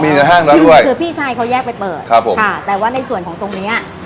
มีในห้างแล้วด้วยคือพี่ชายเขาแยกไปเปิดครับผมค่ะแต่ว่าในส่วนของตรงเนี้ย